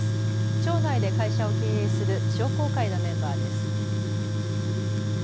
町内で会社を経営する商工会のメンバーです。